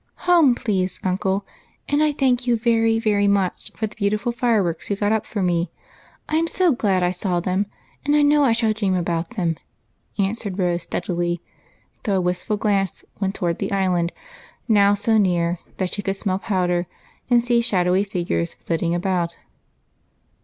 " Home, please, uncle ; and I thank you very, very much for the beautiful fire work you got up for me. I 'm so glad I saw it ; and I know I shall dream about it," answered Rose steadily, though a wistful glance went toward the Island, now so near that she could smell powder and see shadowy figures flitting about.